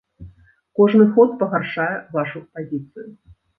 Кожны ход пагаршае вашу пазіцыю.